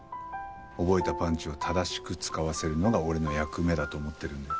覚えたパンチを正しく使わせるのが俺の役目だと思ってるんで。